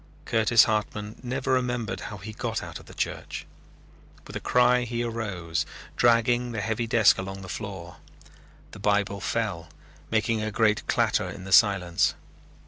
Curtis Hartman never remembered how he got out of the church. With a cry he arose, dragging the heavy desk along the floor. The Bible fell, making a great clatter in the silence.